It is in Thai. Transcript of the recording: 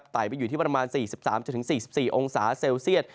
ไปอยู่ที่ประมาณ๔๓๔๔องศาเซลเซียต